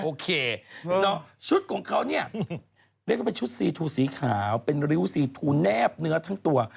โอเคชุดของเขาเนี่ยเรียกว่าเป็นชุดซีทูสีขาวเป็นริ้วซีทูแนบเนื้อทั้งตัว